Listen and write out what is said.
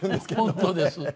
本当です。